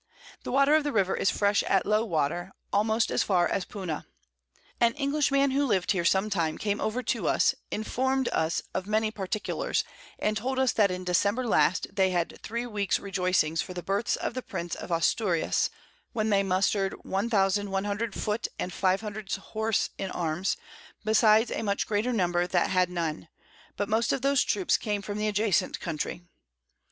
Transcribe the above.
The Water of the River is fresh at low Water, almost as far as Puna. An Englishman who had liv'd here some time, came over to us, inform'd us of many Particulars, and told us that in December last they had 3 Weeks Rejoycings for the Birth of the Prince of Asturias, when they muster'd 1100 Foot and 500 Horse in Arms, besides a much greater Number that had none; but most of those Troops came from the adjacent Country.